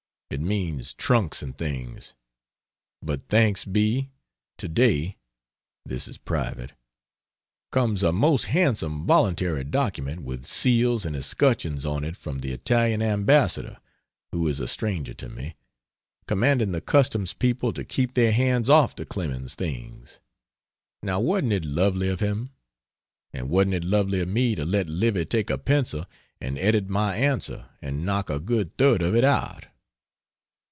It means trunks and things. But thanks be! To day (this is private) comes a most handsome voluntary document with seals and escutcheons on it from the Italian Ambassador (who is a stranger to me) commanding the Customs people to keep their hands off the Clemens's things. Now wasn't it lovely of him? And wasn't it lovely of me to let Livy take a pencil and edit my answer and knock a good third of it out?